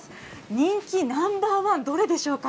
人気ナンバー１、どれでしょうか。